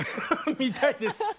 見たいです。